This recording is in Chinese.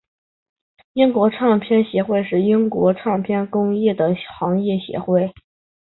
英国唱片业协会是英国唱片工业的行业协会。